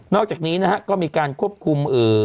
นอกจากนี้ก็มีการควบคุม